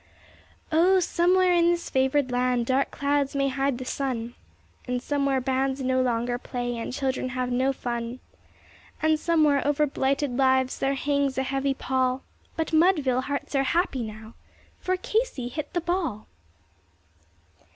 Oh, somewhere in this favored land dark clouds may hide the sun, And somewhere bands no longer play and children have no fun; And somewhere over blighted lives there hangs a heavy pall, But Mudville hearts are happy now for Casey hit the ball!